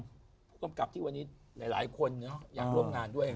กรรมกรรมกลับที่วันนี้หลายคนอยากร่วมงานด้วย